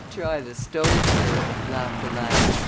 "Try the stove, sir," laughed Aladdin.